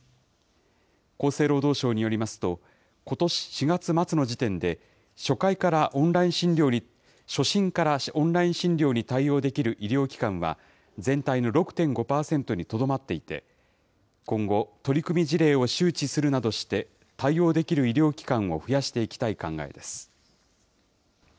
厚生労働省によりますと、ことし４月末の時点で、初診からオンライン診療に対応できる医療機関は、全体の６．５％にとどまっていて、今後、取り組み事例を周知するなどして、対応できる医療機関を増やしていきたい考えです。